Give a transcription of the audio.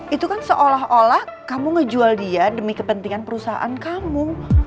itu kan seolah olah kamu ngejual dia demi kepentingan perusahaan kamu